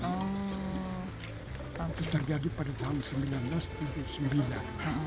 itu terjadi pada tahun seribu sembilan ratus tujuh puluh sembilan